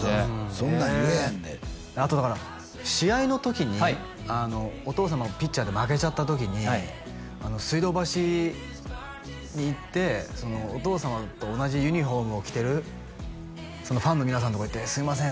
そんなん言えへんであとだから試合の時にお父様がピッチャーで負けちゃった時に水道橋に行ってお父様と同じユニホームを着てるファンの皆さんのとこ行ってすいません